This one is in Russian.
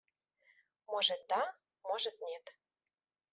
Может, да, может, нет.